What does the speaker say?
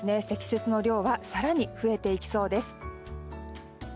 積雪の量は更に増えていきそうです。